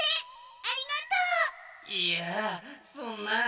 いやあそんなあ。